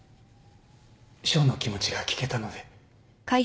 翔の気持ちが聞けたので。